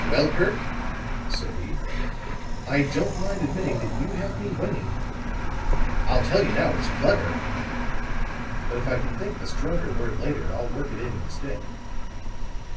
"Well, Kirk," said he. "I don't mind admitting that you have me winging. I'll tell you now it's clever; but if I can think of a stronger word later, I'll work it in instead."